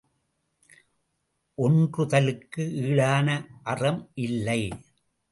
ஒன்றுதலுக்கு ஈடான அறம் இல்லை!